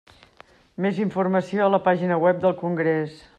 Més informació a la pàgina web del congrés.